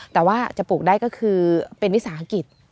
แต่ว่าจะปลูกได้ก็คือเป็นวิสาหกิจ